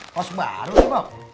kos baru bok